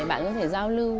bạn có thể giao lưu